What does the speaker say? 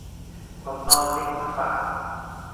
ผมเอาลิงค์มาฝาก